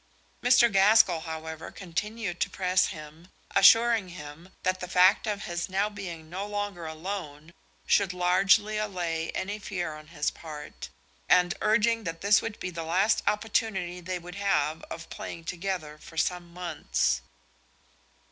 Mr. Gaskell, however, continued to press him, assuring him that the fact of his now being no longer alone should largely allay any fear on his part, and urging that this would be the last opportunity they would have of playing together for some months.